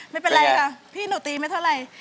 ไม่เป็นไรค่ะพี่หนูตีไม่เท่าไหร่